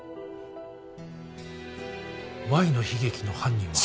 『Ｙの悲劇』の犯人は。